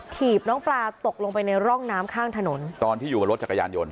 ีบน้องปลาตกลงไปในร่องน้ำข้างถนนตอนที่อยู่กับรถจักรยานยนต